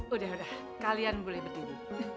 udah udah kalian boleh begini